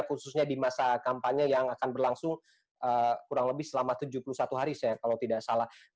khususnya di masa kampanye yang akan berlangsung kurang lebih selama tujuh puluh satu hari saya kalau tidak salah